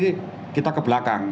generasi kita ke belakang